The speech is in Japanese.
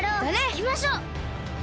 いきましょう！